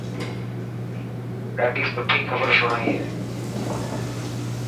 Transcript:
ڏاڌي سٺي کبر سڻائي هي.